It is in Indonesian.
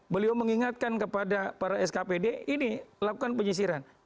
beliau mengingatkan kepada para skpd ini lakukan penyisiran